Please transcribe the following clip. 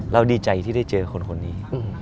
ดีใจที่ได้เจอคนนี้